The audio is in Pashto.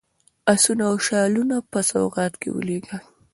آسونه او شالونه په سوغات کې ولېږلي.